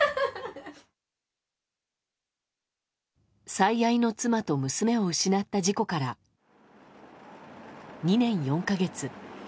最愛の妻と娘を失った事故から２年４か月。